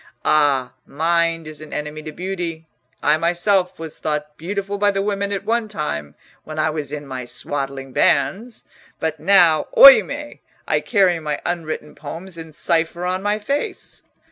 Ah, mind is an enemy to beauty! I myself was thought beautiful by the women at one time—when I was in my swaddling bands. But now—oimè! I carry my unwritten poems in cipher on my face!"